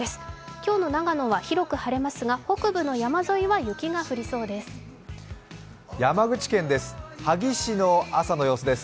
今日の長野は広く晴れますが、北部の山沿いは雪が降りそうです。